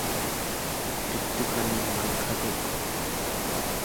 একটুখানি মাল খাবে?